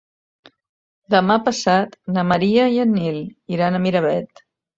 Demà passat na Maria i en Nil iran a Miravet.